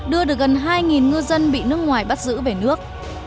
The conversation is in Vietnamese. đưa được gần hai ngư dân bị nước ngoài bắt giữ về nước